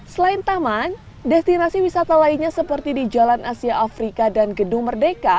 selain taman destinasi wisata lainnya seperti di jalan asia afrika dan gedung merdeka